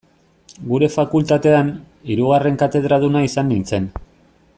Gure fakultatean, hirugarren katedraduna izan nintzen.